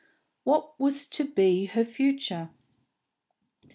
What was to be her future?